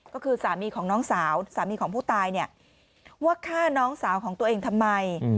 ก็คือสามีของน้องสาวสามีของผู้ตายเนี่ยว่าฆ่าน้องสาวของตัวเองทำไม